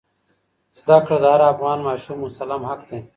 زده کړه د هر افغان ماشوم مسلم حق دی.